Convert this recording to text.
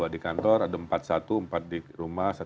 di kantor ada empat satu empat di rumah